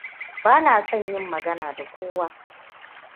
Ba na son yin magana da kowa.